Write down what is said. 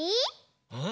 うん？